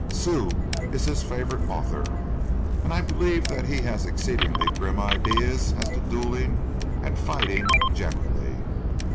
Sue is his favourite author, and I believe that he has exceedingly grim ideas as to duelling and fighting generally.